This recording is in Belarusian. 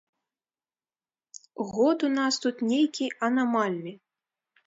Год у нас тут нейкі анамальны!